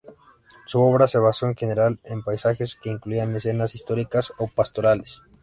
Su obra se basó en general en paisajes que incluían escenas históricas o pastorales.